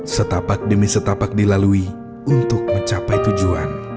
setapak demi setapak dilalui untuk mencapai tujuan